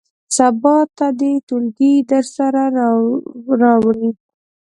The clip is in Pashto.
سبا ته دې ټولګي ته درسره راوړي.